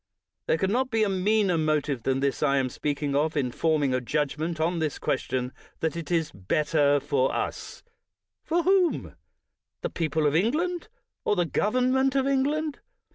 There can not be a meaner motive than this I am speaking of, in forming a judgment on this question : that it is " better for us ''— for whom ? the people of England, or the government of England?